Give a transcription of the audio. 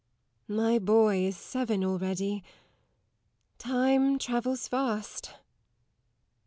My boy is seven already time travels fast....